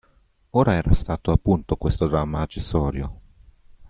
Ora era stato appunto questo dramma accessorio.